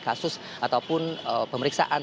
kasus ataupun pemeriksaan